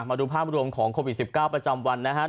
มาดูภาพรวมของโควิด๑๙ประจำวันนะครับ